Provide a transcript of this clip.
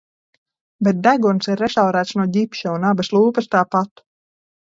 Bet deguns ir restaurēts no ģipša un abas lūpas tāpat.